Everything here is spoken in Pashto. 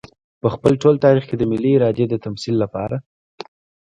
په خپل ټول تاريخ کې د ملي ارادې د تمثيل لپاره.